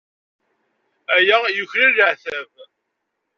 Aya yuklal leɛtab.